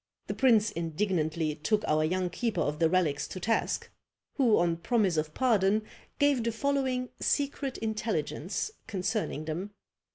The prince indignantly took our young keeper of the relics to task; who, on promise of pardon, gave the following secret intelligence concerning them.